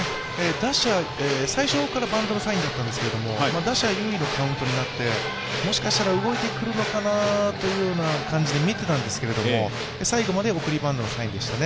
最初からバントのサインだったんですけど打者優位のカウントになって、もしかしたら動いてくるのかなというような感じで見てたんですけど、最後まで送りバントのサインでしたね。